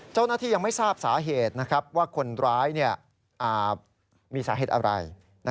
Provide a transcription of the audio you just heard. เจ้าหน้าที่ยังไม่ทราบสาเหตุว่าคนร้ายมีสาเหตุอะไร